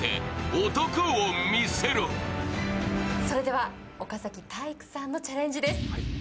それでは、岡崎体育さんのチャレンジです。